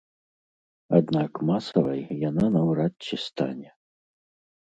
Аднак масавай яна наўрад ці стане.